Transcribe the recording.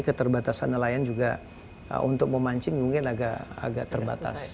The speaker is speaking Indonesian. jadi keterbatasan nelayan juga untuk memancing mungkin agak terbatas